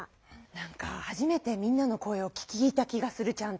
なんかはじめてみんなの声を聴いた気がするちゃんと。